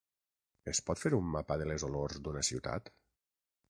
Es pot fer un mapa de les olors d’una ciutat?